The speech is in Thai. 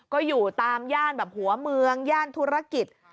ก็อยู่ตามย่านแบบหัวเมืองย่านธุรกิจ